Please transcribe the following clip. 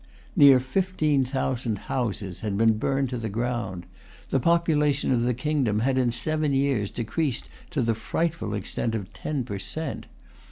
Near fifteen thousand houses had been burned to the ground. The population of the kingdom had in seven years decreased to the frightful extent of ten per cent.